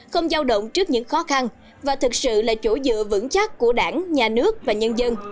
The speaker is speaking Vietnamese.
không giao động trước những khó khăn và thực sự là chỗ dựa vững chắc của đảng nhà nước và nhân dân